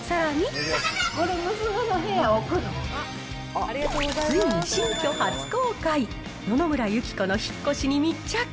これ、ついに新居初公開、野々村友紀子の引っ越しに密着。